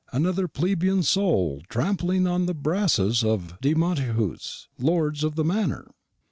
another plebeian sole trampling on the brasses of the De Montacutes, lords of the manor!"